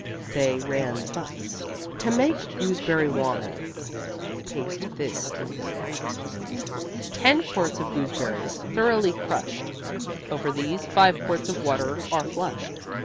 They ran thus: TO MAKE GOOSEBERRY WINE (Paste This in Your Hat), Ten quarts of gooseberries, thoroughly crushed; Over these, five quarts of water are flushed.